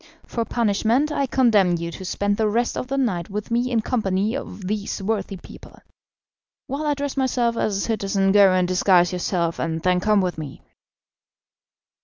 For punishment I condemn you to spend the rest of the night with me in company of these worthy people. While I dress myself as a citizen, go and disguise yourself, and then come with me."